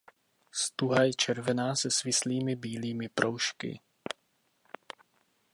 Stuha je červená se svislými bílými proužky.